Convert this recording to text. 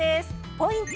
ポイント